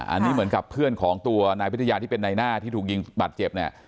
อันนี้เหมือนกับเพื่อนของตัวนายพิทยาที่เป็นในหน้าที่ถูกยิงบาดเจ็บเนี่ย